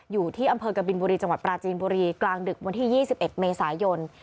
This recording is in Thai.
อยู่ที่อำเภอกบินบุรีจังหวัดปราจีนบุรีกลางดึกวันที่๒๑เมษายน